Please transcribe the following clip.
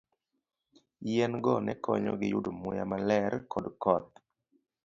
Yien go ne konyogi yudo muya maler kod koth.